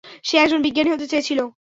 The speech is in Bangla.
সে একজন বিজ্ঞানী হতে চেয়েছিল।